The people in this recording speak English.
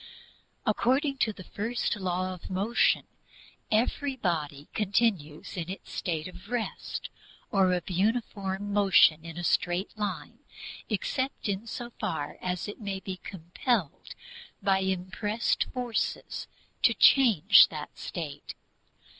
According to the first Law of Motion, every body continues in its state of rest, or of uniform motion in a straight line, except in so far as it may be compelled by impressed forces to change that state.